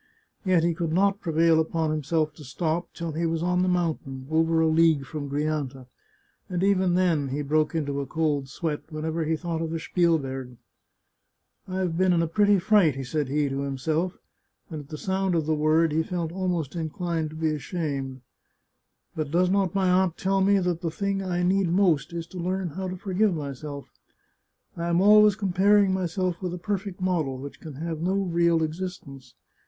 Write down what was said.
Yet he could not prevail upon him self to stop till he was on the mountain, over a league from Grianta, and even then he broke into a cold sweat, when ever he thought of the Spielberg. " I've been in a pretty fright !" said he to himself, and at the sound of the word he felt almost inclined to be ashamed. 177 The Chartreuse of Parma " But does not my aunt tell me that the thing I need most is to learn how to forgive myself? I am always comparing myself with a perfect model, which can have no real exis tence.